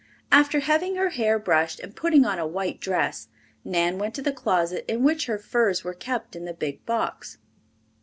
After having her hair brushed, and putting on a white dress, Nan went to the closet in which her furs were kept in the big box.